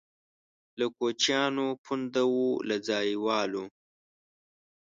له کوچیانو پونده وو له ځایوالو.